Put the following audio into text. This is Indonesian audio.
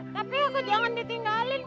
tapi aku jangan ditinggalin